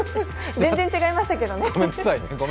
全然、違いましたけどね。